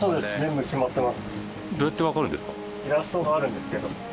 どうやってわかるんですか？